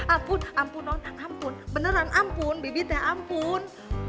ampun ampun non ampun beneran ampun bibi teh ampun